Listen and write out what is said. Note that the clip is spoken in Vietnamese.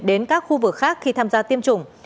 đến các khu vực khác khi tham gia tiêm chủng